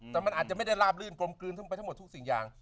แต่มันอาจจะไม่ได้ราบลื่นกลมกลืนขึ้นไปทั้งหมดทุกสิ่งอย่าง